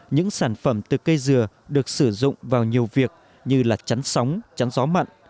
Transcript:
những sản phẩm từ cây dừa được sử dụng vào nhiều việc như là chắn sóng chắn gió mặn